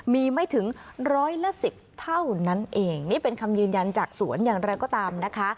มีไม่ถึงร้อยละสิบเท่านั้นเองนี่เป็นคำยืนยันจากสวนอย่างไรก็ตามนะคะ